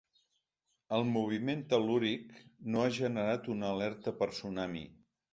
El moviment tel·lúric no ha generat una alerta per tsunami.